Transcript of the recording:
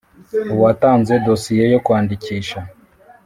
uwatanze dosiye yo kwandikisha